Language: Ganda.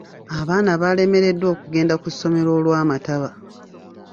Abaana baalemereddwa okugenda ku ssomero olw'amataba.